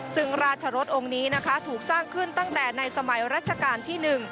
ซึ่งราชรสองค์นี้นะคะถูกสร้างขึ้นตั้งแต่ในสมัยรัชกาลที่๑